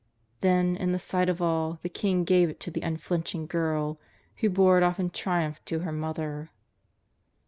Then, in the sight of all, the king gave it to the un flinching girl, who bore it off in triumph to her mother.